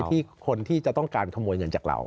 ที่คนที่จะต้องการขโมยเงินจากเรา